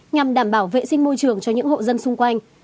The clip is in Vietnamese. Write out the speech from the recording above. nhằm đảm bảo vệ sinh môi trường cho những hộ dân xung quanh